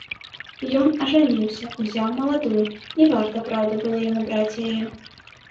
Ён ажаніўся, узяў маладую, не варта, праўда, было яму браць яе.